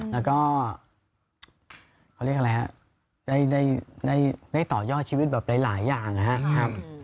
แล้วก็เขาเรียกอะไรฮะได้ต่อยอดชีวิตแบบหลายอย่างนะครับ